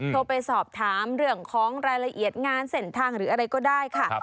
โทรไปสอบถามเรื่องของรายละเอียดงานเส้นทางหรืออะไรก็ได้ค่ะ